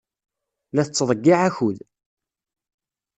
La tettḍeyyiɛ akud.